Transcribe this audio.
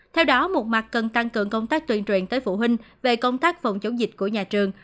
theo đó một mặt cần tăng cường công tác tuyên truyền tới phụ huynh về công tác phòng chống dịch của nhà trường